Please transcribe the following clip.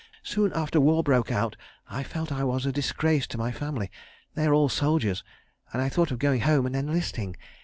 Soon after war broke out I felt I was a disgrace to my family—they are all soldiers—and I thought of going home and enlisting.